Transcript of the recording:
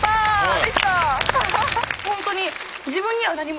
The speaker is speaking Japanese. できた！